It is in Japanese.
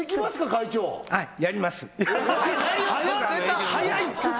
会長はいやります早っ！